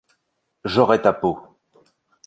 J’aurai ta peau.